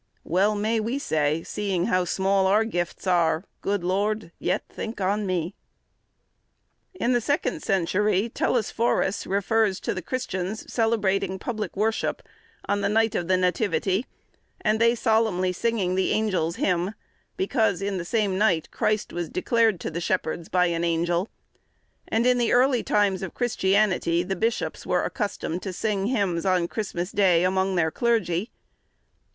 Well may we say, seeing how small our gifts are, "Good Lord, yet think on me." In the second century, Telesphorus refers to the Christians celebrating public worship, on the night of the Nativity, and then solemnly singing the angels' hymn, because in the same night, Christ was declared to the Shepherds by an angel; and in the early times of Christianity the bishops were accustomed to sing hymns on Christmas Day among their clergy.